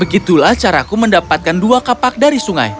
begitulah caraku mendapatkan dua kapak dari sungai